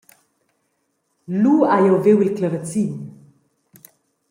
Lu hai jeu viu il clavazin.